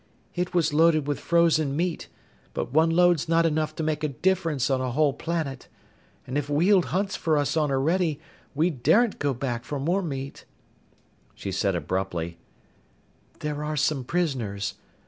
"It was loaded with frozen meat, but one load's not enough to make a difference on a whole planet! And if Weald hunts for us on Orede, we daren't go back for more meat." She said abruptly, "There are some prisoners.